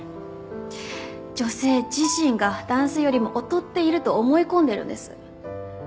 女性自身が男性よりも劣っていると思い込んでいるんです。